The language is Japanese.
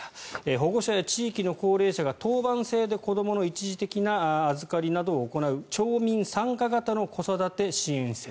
保護者や地域の高齢者が当番制で子どもの一時的な預かりなどを行う町民参加型の子育て支援施設。